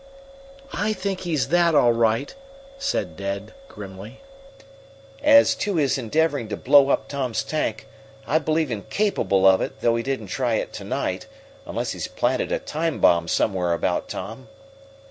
"I think he's that, all right," said Ned grimly. "As to his endeavoring to blow up Tom's tank, I believe him capable of it, though he didn't try it to night unless he's planted a time bomb somewhere about, Tom."